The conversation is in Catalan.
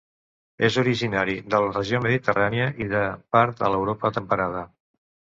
És originari de la regió mediterrània i de part de l'Europa temperada.